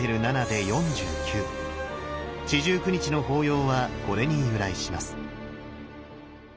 四十九日の法要はこれに由来します。